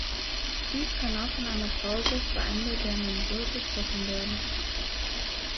Dies kann auch in einer Pause vor Ende der Mensur beschlossen werden.